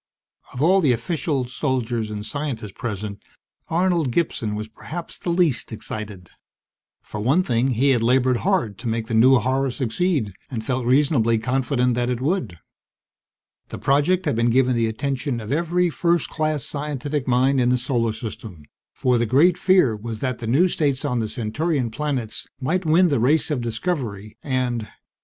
Of all the officials, soldiers, and scientists present, Arnold Gibson was perhaps the least excited. For one thing, he had labored hard to make the new horror succeed and felt reasonably confident that it would. The project had been given the attention of every first class scientific mind in the Solar System; for the great fear was that the new states on the Centaurian planets might win the race of discovery and ...